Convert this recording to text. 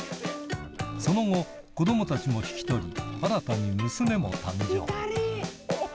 その後、子どもたちも引き取り、新たに娘も誕生。